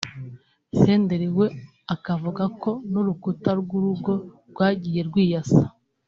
Senderi we akavuga ko n'urukuta rw'urugo rwagiye rwiyasa